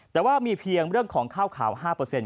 แต่ว่ามีเพียงเรื่องของข้าวขาว๕เปอร์เซ็นต์